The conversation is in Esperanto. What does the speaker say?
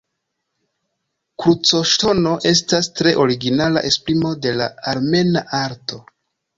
Krucoŝtono estas tre originala esprimo de la armena arto.